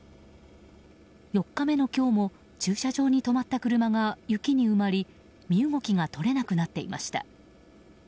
４日目の今日も駐車場に止まった車が雪に埋まり身動きが取れなくなっていました。